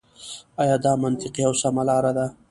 آيـا دا مـنطـقـي او سـمـه لاره ده.